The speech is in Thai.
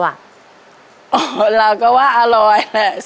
เอ้าเราก็ว่าอร่อย